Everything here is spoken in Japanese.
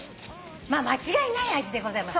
間違いない味でございます。